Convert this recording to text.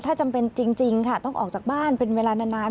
ถ้าจำเป็นจริงค่ะต้องออกจากบ้านเป็นเวลานาน